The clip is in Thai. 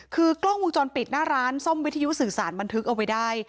คือกล้องวงจรปิดหน้าร้านซ่อมวิทยุสื่อสารบันทึกเอาไว้ได้